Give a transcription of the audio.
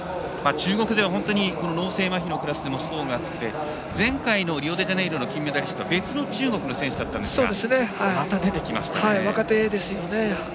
中国勢は、脳性まひのクラスでも層が厚くて前回のリオデジャネイロの金メダリストは別の中国の選手だったんですがまた出てきましたね。